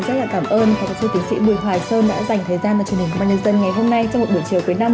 vâng ạ rất là cảm ơn phó giáo sư tiến sĩ bùi hoài sơn đã dành thời gian cho chương trình ban nhân dân ngày hôm nay trong một buổi chiều cuối năm